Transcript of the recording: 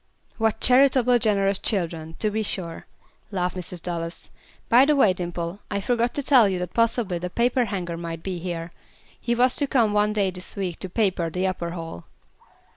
"What charitable, generous children, to be sure," laughed Mrs. Dallas. "By the way, Dimple, I forgot to tell you that possibly the paperhanger might be here; he was to come one day this week to paper the upper hall."